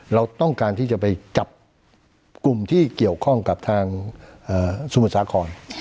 เราต้องการที่จะไปจับกลุ่มที่เกี่ยวข้องกับทางสมุทรสาคร